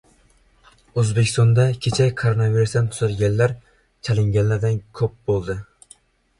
O‘zbekistonda kecha koronavirusdan tuzalganlar chalinganlardan ko‘p bo‘ldi